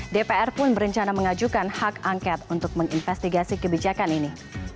dpr pun berencana mengajukan hak angket untuk menginvestigasi kebijakan ini